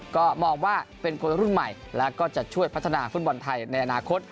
ก็มองว่าเป็นคนรุ่นใหม่แล้วก็จะช่วยพัฒนาฟุตบอลไทยในอนาคต